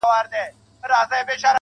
چي زموږ څه واخله دا خيرن لاســـــونه.